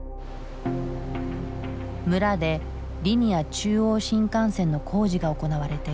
村でリニア中央新幹線の工事が行われていた。